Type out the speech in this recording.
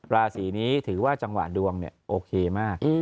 ราศีนี้ถือว่าจังหวะดวงโอเคมาก